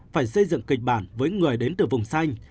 phải xây dựng kịch bản với người đến từ vùng xanh